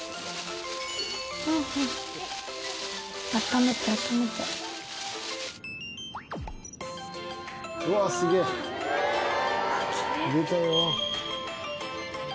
「あっためてあっためて」「うわあすげえ！」「きれい」「出たよ」